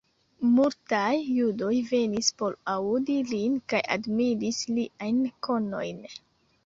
Multaj judoj venis por aŭdi lin kaj admiris liajn konojn.